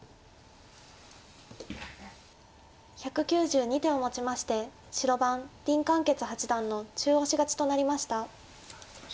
１９２手をもちまして白番林漢傑八段の中押し勝ちとなりました。